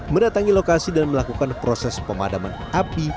mendatangi lokasi dan melakukan proses pemadaman api